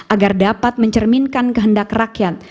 agar dapat mencerminkan kehendak rakyat